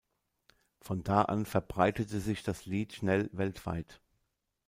Von da verbreitete sich das Lied schnell weltweit.